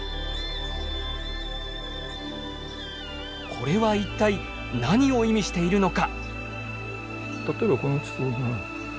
これは一体何を意味しているのか。